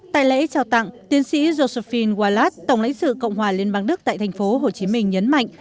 tại lễ trao tặng tiến sĩ josephine walat tổng lãnh sự cộng hòa liên bang đức tại tp hcm nhấn mạnh